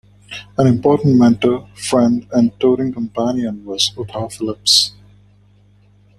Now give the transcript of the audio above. An important mentor, friend and touring companion was Utah Phillips.